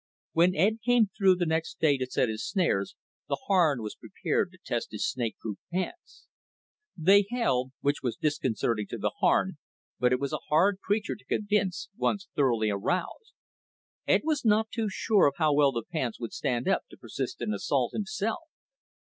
When Ed came through the next day to set his snares, the Harn was prepared to test his snakeproof pants. They held, which was disconcerting to the Harn, but it was a hard creature to convince, once thoroughly aroused. Ed was not too sure of how well the pants would stand up to persistent assault himself.